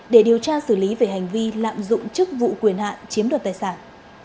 để điều tra xử lý về hành vi lạm dụng chức vụ quyền hạn chiếm đoạt tài sản